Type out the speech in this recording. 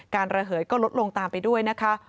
ระเหยก็ลดลงตามไปด้วยนะคะ